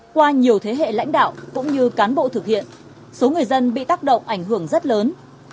qua nhiều thế hệ lãnh đạo cũng như cán bộ thực hiện số người dân bị tác động ảnh hưởng rất lớn